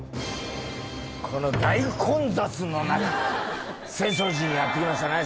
この大混雑の中浅草寺にやって来ましたね。